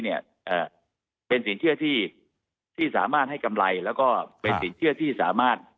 เอ่อเป็นสินเชื่อที่สามารถให้กำไรแล้วก็เป็นสินเชื่อที่สามารถ